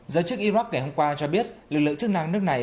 giới chức iraq ngày hôm qua cho biết lực lượng chức năng nước này